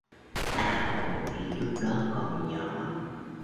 A Hội thì lúc đó còn nhỏ